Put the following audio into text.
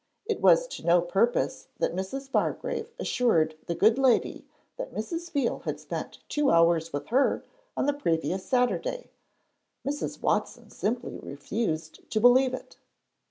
It was to no purpose that Mrs. Bargrave assured the good lady that Mrs. Veal had spent two hours with her on the previous Saturday; Mrs. Watson simply refused to believe it.